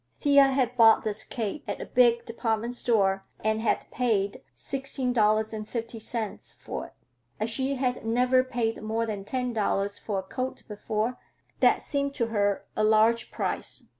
Thea had bought this cape at a big department store and had paid $16.50 for it. As she had never paid more than ten dollars for a coat before, that seemed to her a large price.